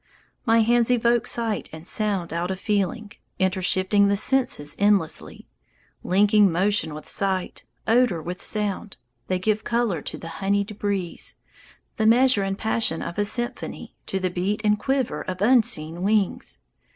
My hands evoke sight and sound out of feeling, Intershifting the senses endlessly; Linking motion with sight, odour with sound They give colour to the honeyed breeze, The measure and passion of a symphony To the beat and quiver of unseen wings.